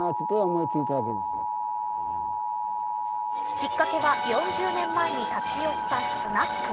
きっかけは４０年前に立ち寄ったスナック。